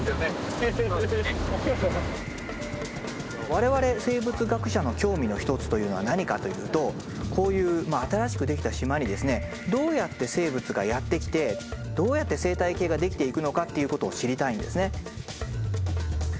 我々生物学者の興味の一つというのは何かというとこういう新しくできた島にですねどうやって生物がやって来てどうやって生態系ができていくのかっていうことを知りたいんですね。